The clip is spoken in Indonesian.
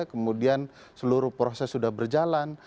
kemudian seluruh proses sudah berjalan